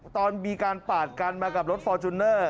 ตอนมีการปาดกันมากับรถฟอร์จูเนอร์